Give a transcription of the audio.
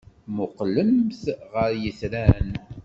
Mmuqqlemt ɣer yitran.